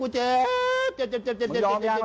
มึงยอมหรือยัง